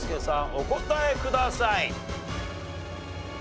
お答えください。